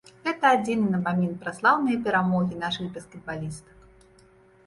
Гэта адзіны напамін пра слаўныя перамогі нашых баскетбалістак.